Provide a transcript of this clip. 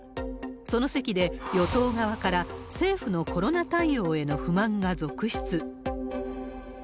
その席で与党側から、政府のコロナ対応への不満が続出。